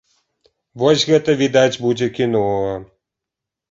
Вось гэта, відаць, будзе кіно!